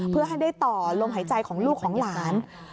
เพื่อให้ได้ต่อลมหายใจของลูกของหลาน